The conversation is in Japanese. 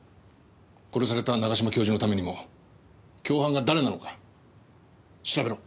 殺された永嶋教授のためにも共犯が誰なのか調べろ。